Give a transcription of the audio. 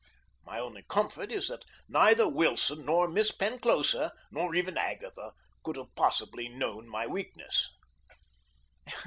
My only comfort is that neither Wilson nor Miss Penclosa nor even Agatha could have possibly known my weakness.